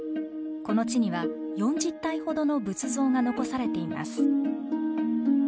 この地には４０体ほどの仏像が残されています。